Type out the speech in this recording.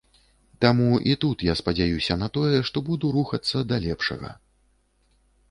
Таму і тут я спадзяюся на тое, што буду рухацца да лепшага.